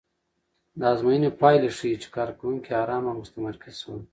د ازموینې پایلې ښيي چې کارکوونکي ارامه او متمرکز شول.